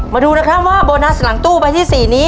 มาดูนะครับว่าโบนัสหลังตู้ใบที่๔นี้